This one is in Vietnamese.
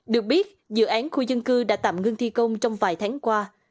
được biết dự án khu dân cư đã tạm ngưng thi công trong vài tháng qua